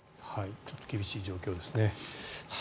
ちょっと厳しい状況ですね。